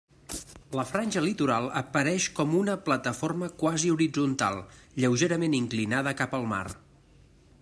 La franja litoral apareix com una plataforma quasi horitzontal, lleugerament inclinada cap al mar.